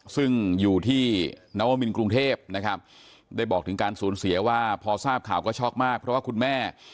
ซึ่งอยู่ที่นวมินกรุงเทพนะครับได้บอกถึงการสูญเสียว่าพอทราบข่าวก็ช็อกมากเพราะว่าคุณแม่